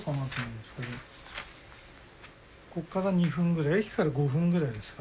ここから２分ぐらい駅から５分ぐらいですかね。